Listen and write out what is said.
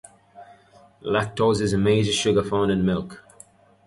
Lactose is the major sugar found in milk.